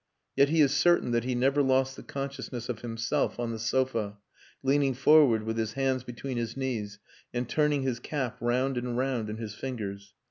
Yet he is certain that he never lost the consciousness of himself on the sofa, leaning forward with his hands between his knees and turning his cap round and round in his fingers.